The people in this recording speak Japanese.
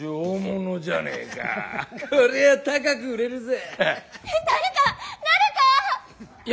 こりゃあ高く売れるぜ。